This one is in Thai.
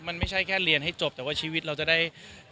มันไม่ใช่แค่เรียนให้จบแต่ว่าชีวิตเราจะได้